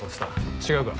違うか？